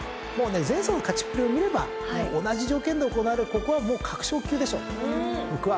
もうね前走の勝ちっぷりを見れば同じ条件で行われるここはもう確勝級でしょう。